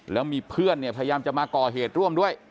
แล้วมีเพื่อนเนี่ยพยายามจะมาก่อเหตุร่วมด้วย